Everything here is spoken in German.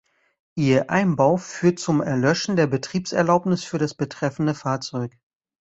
Ihr Einbau führt zum Erlöschen der Betriebserlaubnis für das betreffende Fahrzeug.